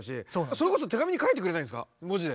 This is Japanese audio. それこそ手紙に書いてくれないんですか文字で。